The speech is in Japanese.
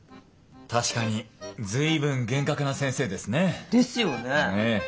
確かに随分厳格な先生ですね。ですよね。